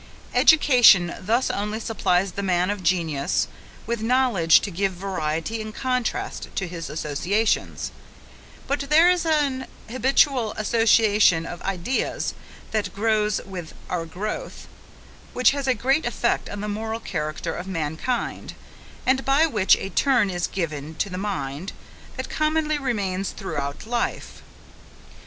Education thus only supplies the man of genius with knowledge to give variety and contrast to his associations; but there is an habitual association of ideas, that grows "with our growth," which has a great effect on the moral character of mankind; and by which a turn is given to the mind, that commonly remains throughout life.